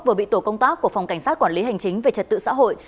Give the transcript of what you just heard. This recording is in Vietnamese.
vừa bị tổ công tác của phòng cảnh sát quản lý hành chính về trật tự xã hội